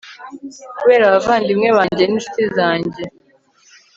kubera abavandimwe banjye n'incuti zanjye